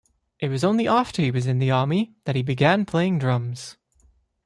It was only after he was in the army that he began playing drums.